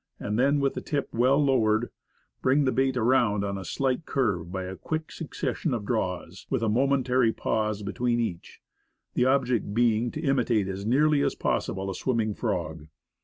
and then with the tip well lowered; bring the bait around on a slight curve by a quick succession of draws, with a momentary pause between each; the Pickerel. 6 1 object being to imitate as nearly as possible a swim ming frog.